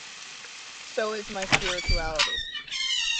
So is my spirituality.